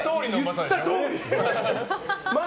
言ったとおり！